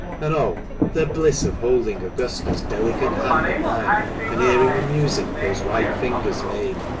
And, oh ! the bliss of holding Augusta's delicate hand in mine, and hearing the music those white fingers made.